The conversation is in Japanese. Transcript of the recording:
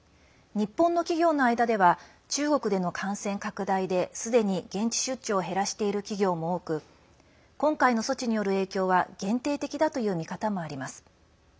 日本の企業の間では中国での感染拡大ですでに現地出張を減らしている企業も多く今回の措置による影響は限定的だという見方もあります。